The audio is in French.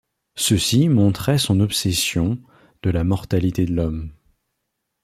Ceci montrait son obsession de la mortalité de l'Homme.